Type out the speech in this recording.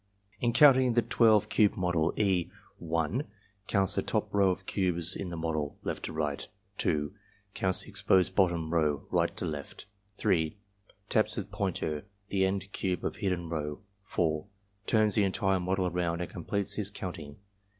In counting the 12 cube model, E. (1) counts the top row of cubes in the model (left to right), (2) counts the exposed bottom row (right to left), (3) taps with pointer the end cube of hidden row, (4) turns the entire model around and completes his count ing.